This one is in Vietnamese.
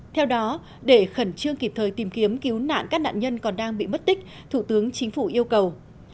theo đó để khẩn trương kịp thời tìm kiếm cứu nạn các nạn nhân còn đang bị mất tích thủ tướng chính phủ yêu cầu